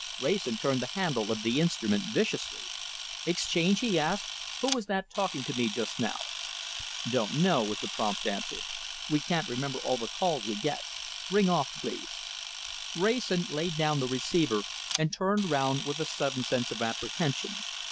Wrayson turned the handle of the instrument viciously. "Exchange," he asked, "who was that talking to me just now?" "Don't know," was the prompt answer. "We can't remember all the calls we get. Ring off, please!" Wrayson laid down the receiver and turned round with a sudden sense of apprehension.